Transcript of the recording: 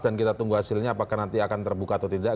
dan kita tunggu hasilnya apakah nanti akan terbuka atau tidak